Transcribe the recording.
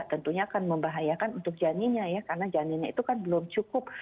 tentunya akan membahayakan untuk janinnya ya karena janinnya itu kan belum cukup